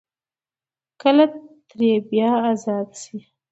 کله ترې بيا ازاد شي ـ